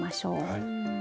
はい。